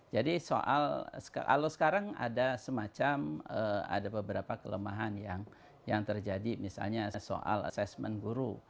jadi soal kalau sekarang ada semacam ada beberapa kelemahan yang terjadi misalnya soal assessment guru